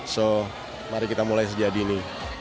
so mari kita mulai sejadi ini